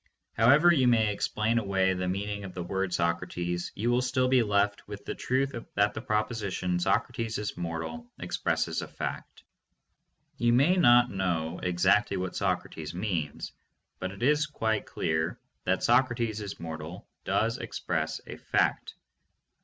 However you may explain away the meaning of the word "Socrates," you will still be left with the truth that the proposition "Socrates is mortal" expresses a fact. You may not know exactly what Socrates means, but it is quite clear that "Socrates is mortal" does express a fact.